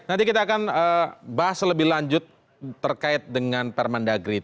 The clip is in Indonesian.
nanti kita akan bahas lebih lanjut terkait dengan permendagri